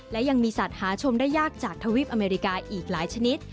และยังมีสัตว์หาชมได้ยากจากทวีปอเมริกาอีกหลายชนิด